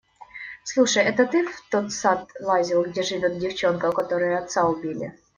Слушай, это ты в тот сад лазил, где живет девчонка, у которой отца убили?